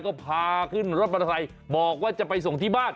ก็พาขึ้นรถบริษัยบอกว่าจะไปส่งที่บ้าน